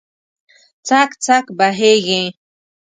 څک، څک بهیږې